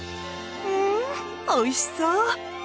うんおいしそう！